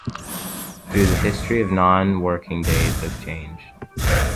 Through the history non-working days have changed.